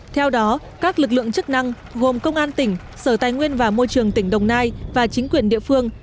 theo đó các lực lượng chức năng gồm công an tỉnh sở tài nguyên và môi trường tỉnh đồng nai và chính quyền địa phương